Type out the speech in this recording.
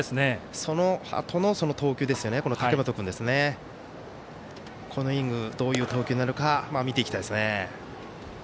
そのあとの投球ですね、武元君のこのイニングどういう投球になるか見ていきたいですね。